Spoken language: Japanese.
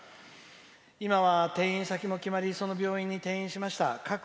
「今は転院先も決まりその病院に転院しました。